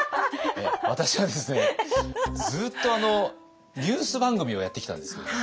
私はですねずっとニュース番組をやってきたんです。